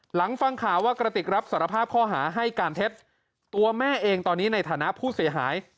หลังฟังข่าวว่ากระติกรับสารภาพข้อหาให้การเท็จตัวแม่เองตอนนี้ในฐานะผู้เสียหาย